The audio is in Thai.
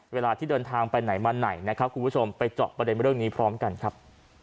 เวลาที่เดินทางไปไหนมาไหนนะครับคุณผู้ชมไปเจาะประเด็นเรื่องนี้พร้อมกันครับ